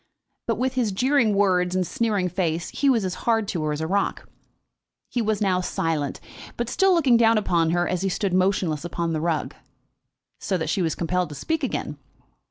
But with his jeering words, and sneering face, he was as hard to her as a rock. He was now silent, but still looking down upon her as he stood motionless upon the rug, so that she was compelled to speak again.